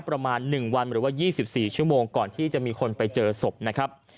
ประมาณหนึ่งวันหรือว่ายี่สิบสี่ชั่วโมงก่อนที่จะมีคนไปเจอศพนะครับ